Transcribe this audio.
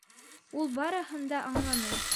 Ул барыһын да аңланы.